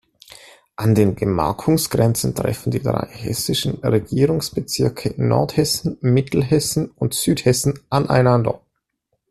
An den Gemarkungsgrenzen treffen die drei hessischen Regierungsbezirke Nordhessen, Mittelhessen und Südhessen aneinander.